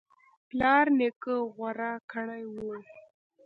پلار نیکه غوره کړی و